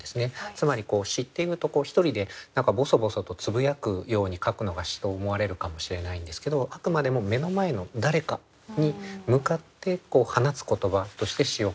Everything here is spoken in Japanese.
つまり詩っていうと一人で何かボソボソとつぶやくように書くのが詩と思われるかもしれないんですけどあくまでも目の前の誰かに向かって放つ言葉として詩を書いてらっしゃった。